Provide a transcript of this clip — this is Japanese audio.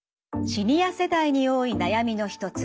シニア世代に多い悩みの一つ